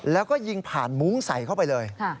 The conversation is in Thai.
แล้วก็ยิงผ่านมุ้งใส่เข้าไปเลย